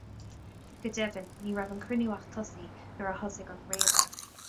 Go deimhin, ní raibh an cruinniú ach tosaithe nuair a thosaigh an réabadh.